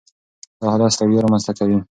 دا حالت ستړیا رامنځ ته کوي.